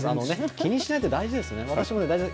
気にしないって大事ですね。